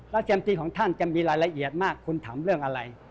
เจมตีของท่านจะมีรายละเอียดมากคุณถามเรื่องอะไร